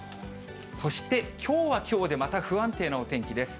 そしてきょうはきょうで、また不安定なお天気です。